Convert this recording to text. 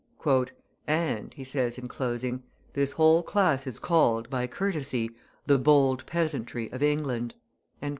"And," he says, in closing, "this whole class is called, by courtesy, the bold peasantry of England."